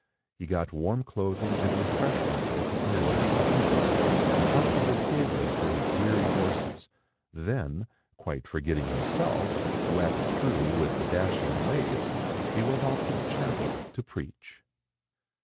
He got warm clothing, and refreshments at the inn for Peter, and comfortable stabling for his weary horses; then, quite forgetting himself, wet through with the dashing waves, he went off to the chapel to preach.